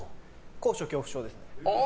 高所恐怖症です。